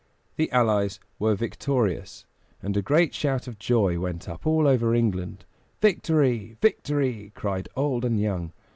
The allies were victorious, and a great shout of joy went up all over England. "Victory! victory!" cried old and young.